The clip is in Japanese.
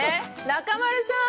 中丸さん！